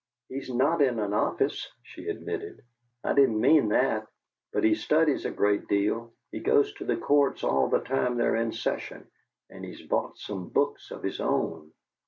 "He's not in an office," she admitted. "I didn't mean that. But he studies a great deal. He goes to the courts all the time they're in session, and he's bought some books of his own."